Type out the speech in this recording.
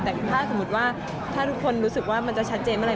แต่ถ้าสมมุติว่าถ้าทุกคนรู้สึกว่ามันจะชัดเจนเมื่อไห